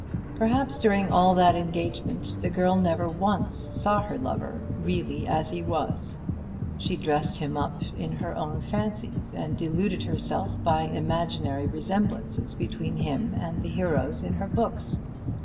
Perhaps during all that engagement the girl never once saw her lover really as he was. She dressed him up in her own fancies, and deluded herself by imaginary resemblances between him and the heroes in her books.